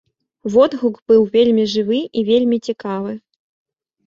Водгук быў вельмі жывы і вельмі цікавы.